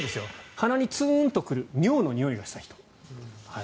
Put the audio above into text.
鼻にツーンと来る尿のにおいがした人。